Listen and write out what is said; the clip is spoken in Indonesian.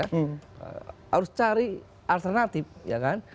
harus cari alternatif ya kan